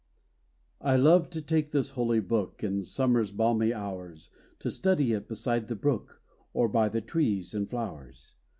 I love to take this holy book, In summer's balmy hours, To study it beside the brook, Or by the trees and flowers.